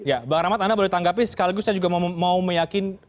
ya bang rahmat anda boleh tanggapi sekali lagi saya juga mau meyakin